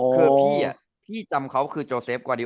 ขับมาตลอด